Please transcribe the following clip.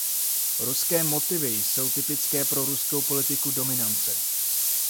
Ruské motivy jsou typické pro ruskou politiku dominance.